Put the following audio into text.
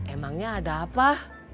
emangnya ada apa